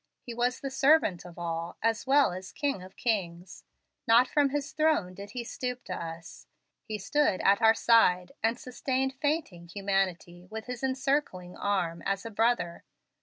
He was the servant of all, as well as King of kings. Not from his throne did He stoop to us. He stood at our side, and sustained fainting humanity with His encircling arm, as a brother.